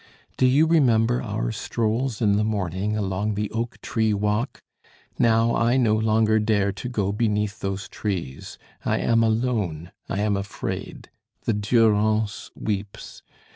Do you remember our strolls in the morning along the oak tree walk? Now I no longer dare to go beneath those trees; I am alone, I am afraid. The Durance weeps.